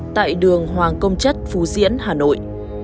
tại đường hoàng công chất phú diễn hà nội